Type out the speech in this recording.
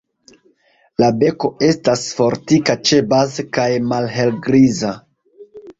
La beko estas fortika ĉebaze kaj malhelgriza.